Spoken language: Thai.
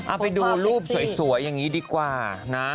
เอาไปดูรูปสวยอย่างนี้ดีกว่านะ